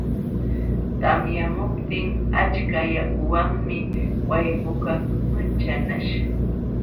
Tamyamuptin achka yakuwanmi wayqukaq manchanaśh.